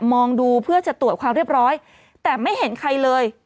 มองดูเพื่อจะตรวจความเรียบร้อยแต่ไม่เห็นใครเลย